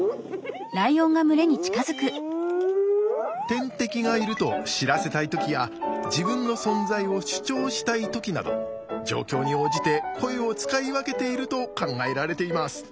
天敵がいると知らせたい時や自分の存在を主張したい時など状況に応じて声を使い分けていると考えられています。